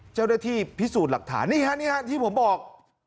เจ้าหน้าที่พิสูจน์หลักฐานนี่ครับนี่ครับที่ผมบอก